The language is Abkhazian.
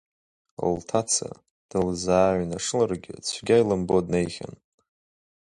Лҭаца дылзааҩнашыларгьы цәгьа илымбо днеихьан.